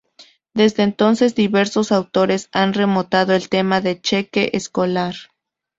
Desde entonces diversos autores han retomado el tema del cheque escolar.